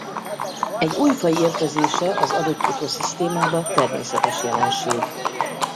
Egy új faj érkezése az adott ökoszisztémába természetes jelenség.